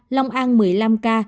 lòng an một mươi năm ca